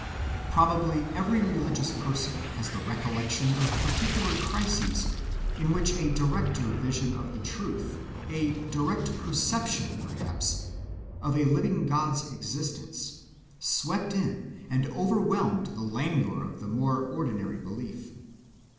Probably every religious person has the recollection of particular crises in which a directer vision of the truth, a direct perception, perhaps, of a living God's existence, swept in and overwhelmed the languor of the more ordinary belief.